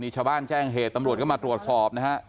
ชาวบ้านแจ่งเหตุตำรวจก็มาตรวจสอบ